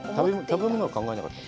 食べ物は考えなかったの？